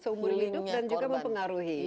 dan juga mempengaruhi